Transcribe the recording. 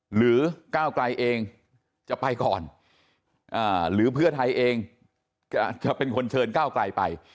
หรือก้าวไกลเองจะไปก่อนหรือเพื่อไทยเองจะเป็นคนเชิญก้าวไกลไป